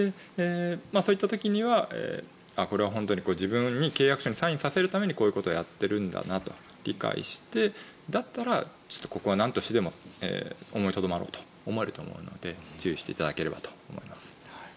そういった時にはこれは本当に自分に契約書にサインさせるためにこういうことをやっているんだなと理解してだったら、ちょっとここはなんとしてでも思いとどまろうと思うと思うので注意していただければと思います。